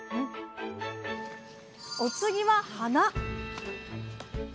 お次は花！